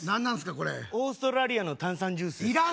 これオーストラリアの炭酸ジュースですいらん